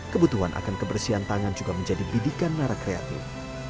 kebutuhan akan kebersihan tangan juga menjadi bidikan narakreatif